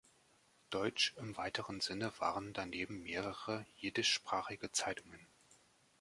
Deutsch im weiteren Sinne waren daneben mehrere jiddischsprachige Zeitungen.